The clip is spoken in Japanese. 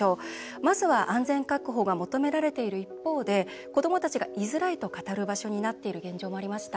まずは安全確保が求められている一方で子どもたちが居づらいと語る場所になっている現状もありました。